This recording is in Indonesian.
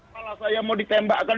kalau saya mau ditembakkan